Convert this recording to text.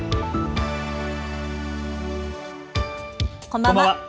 こんばんは。